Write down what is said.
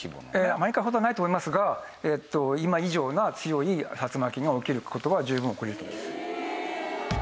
アメリカほどはないと思いますが今以上な強い竜巻が起きる事は十分起こり得ると思います。